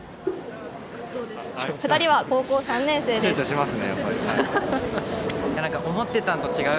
２人は高校３年生です。